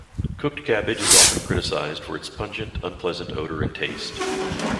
Cooked cabbage is often criticized for its pungent, unpleasant odor and taste.